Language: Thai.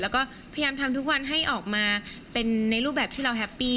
แล้วก็พยายามทำทุกวันให้ออกมาเป็นในรูปแบบที่เราแฮปปี้